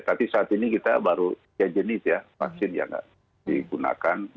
tapi saat ini kita baru tiga jenis ya vaksin yang digunakan